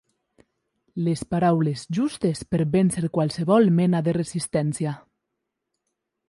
Les paraules justes per vèncer qualsevol mena de resistència.